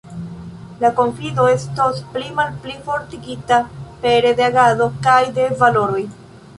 La konfido estos pli malpli plifortigita pere de agado kaj de valoroj.